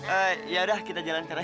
eh yaudah kita jalan caranya